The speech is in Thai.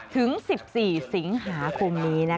๑๑ถึง๑๔สิงหาคมนี้นะคะ